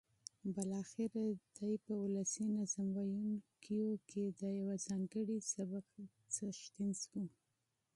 بالاخره دی په ولسي نظم ویونکیو کې د یوه ځانګړي سبک څښتن شو.